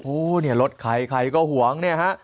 เนี่ยรถใครใครก็ห่วงเนี่ยฮะ